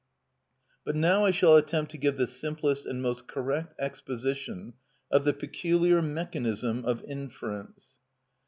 But now I shall attempt to give the simplest and most correct exposition of the peculiar mechanism of inference.